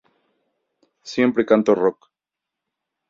Siempre canto rock.